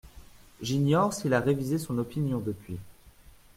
J’ignore s’il a révisé son opinion depuis.